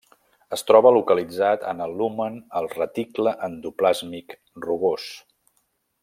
Es troba localitzat en el lumen el reticle endoplàsmic rugós.